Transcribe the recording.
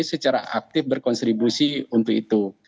secara aktif berkontribusi untuk itu